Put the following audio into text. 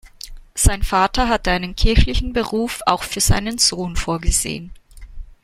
Sein Vater hatte einen kirchlichen Beruf auch für seinen Sohn vorgesehen.